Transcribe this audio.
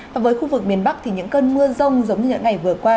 và với khu vực miền bắc thì những cơn mưa rông giống như những ngày vừa qua